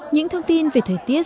những thông tin về thời tiết